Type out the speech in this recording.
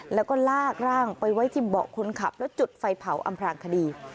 แล้วก็ลากร่างไปไว้ที่เบาะคนขับแล้วจุดไฟเผาอำพลางคดี